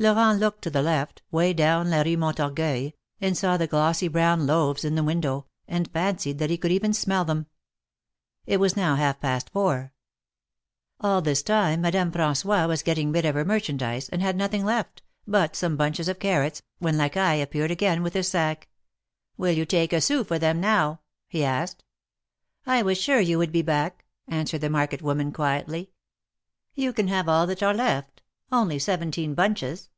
Elorent looked to the left, way down la Rue Montorgueil, and saw the glossy brown loaves in the window, and fancied that he could even smell them. It was now half jmst four. All this time Madame Fran9ois was getting rid of her 38 THE MARKETS OF PARIS. merchandise, and had now nothing left, but some bunches of carrots, when Lacaille appeared again with his sack. Will you take a sou for them now?" he asked. I was sure you would be back," answered the market woman, quietly. " You can have all that are left— only seventeen bunches."